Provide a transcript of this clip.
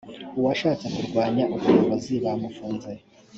uwashatse kurwanya ubuyobozi bamufunze